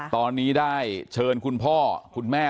ตอนนี้ได้เชิญคุณพ่อคุณแม่